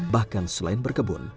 bahkan selain berkebun